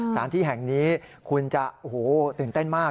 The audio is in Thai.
สารที่แห่งนี้คุณจะตื่นเต้นมาก